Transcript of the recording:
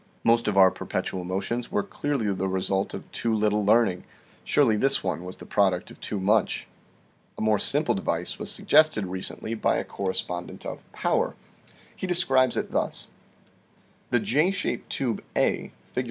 Most of our perpetual motions were clearly the result of too little learning ; surely this one was the product of too much." A more simple device was suggested recently by a cor respondent of " Power." He describes it thus : The J shaped tube A, Fig.